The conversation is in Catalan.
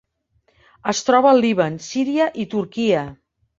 Es troba al Líban, Síria i Turquia.